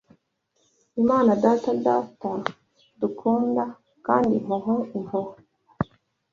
Imana Data Data dukunda; Kandi Impuhwe, Impuhwe